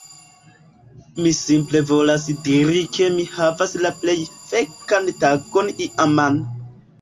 Mi simple volas diri ke mi havas la plej fekan tagon iaman.